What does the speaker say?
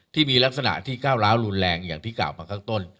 ที่มีลักษณะที่ก้าวร้าวรุนแรงอย่างที่กล่าวมาข้างต้น